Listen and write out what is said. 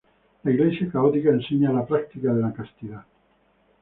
La Iglesia católica enseña la práctica de la castidad.